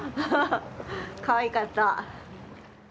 かわいかった。